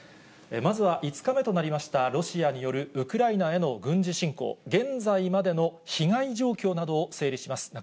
まずは５日目となりました、ロシアによるウクライナへの軍事侵攻、現在までの被害状況を整理します。